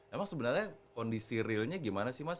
emang sebenarnya kondisi realnya gimana sih mas